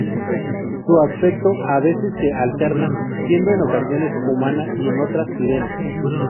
Su aspecto a veces se alterna, siendo en ocasiones humana y en otras sirena.